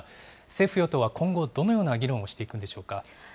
政府・与党は今後、どのような議論をしていくんでしょうか？